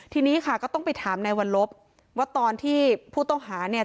ทีนี้ค่ะก็ต้องไปถามนายวัลลบว่าตอนที่ผู้ต้องหาเนี่ย